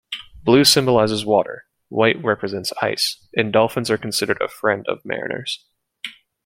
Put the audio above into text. Blue symbolizes water, white represents ice, and dolphins are considered a friend of mariners.